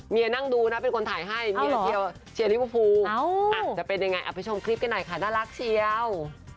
นั่งดูนะเป็นคนถ่ายให้เมียเชียร์ลิเวอร์ฟูจะเป็นยังไงเอาไปชมคลิปกันหน่อยค่ะน่ารักเชียว